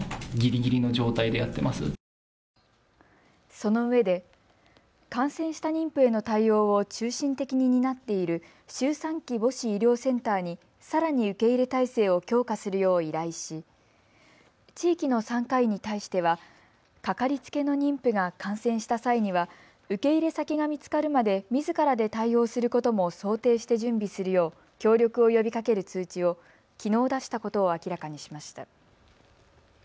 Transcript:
そのうえで感染した妊婦への対応を中心的に担っている周産期母子医療センターにさらに受け入れ体制を強化するよう依頼し地域の産科医に対しては掛かりつけの妊婦が感染した際には受け入れ先が見つかるまでみずからで対応することも想定して準備するよう協力を呼びかける通知をきのう出したことを明らかにしました。